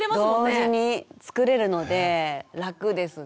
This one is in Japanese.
同時に作れるので楽ですね。